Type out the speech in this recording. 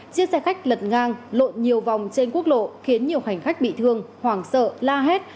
chiếc xe khách lật ngang lộn nhiều vòng trên quốc lộ khiến nhiều hành khách bị thương hoảng sợ la hét